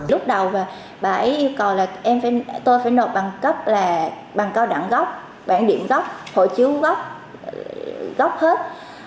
lúc đầu bà ấy yêu cầu là tôi phải nộp bằng cấp là bằng cao đẳng gốc bản điểm gốc hội chứ gốc gốc hết